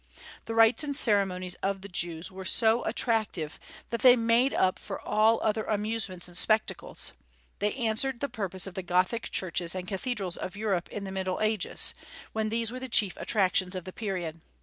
The rites and ceremonies of the Jews were so attractive that they made up for all other amusements and spectacles; they answered the purpose of the Gothic churches and cathedrals of Europe in the Middle Ages, when these were the chief attractions of the period.